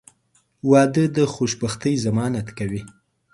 • واده د خوشبختۍ ضمانت کوي.